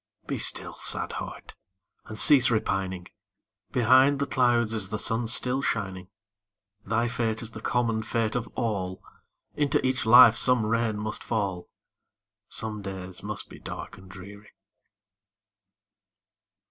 Be still, sad heart! and cease repining; Behind the clouds is the sun still shining; Thy fate is the common fate of all, Into each life some rain must fall, Some days must be dark and dreary.